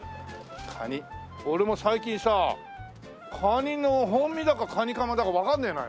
俺も最近さカニの本身だかカニカマだかわかんねえのよ。